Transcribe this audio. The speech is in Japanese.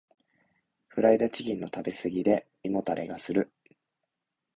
フライドチキンの食べ過ぎで胃もたれがする。